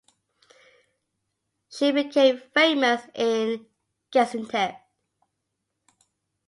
She became famous in Gaziantep.